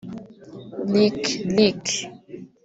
Lick Lick